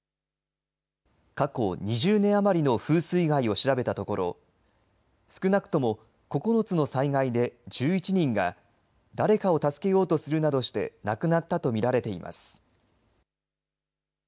過去２０年余りの風水害を調べたところ、少なくとも９つの災害で１１人が、誰かを助けようとするなどして亡くなったと見られています。